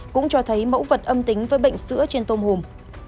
cũng cho thấy mẫu vật âm tính với bệnh sữa trên tôm hùm